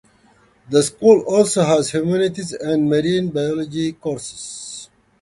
The school also has humanities and marine biology courses.